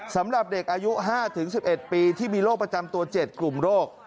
สำหรับเด็กอายุ๕๑๑ปีที่มีโรคประจำตัว๗กลุ่มโรค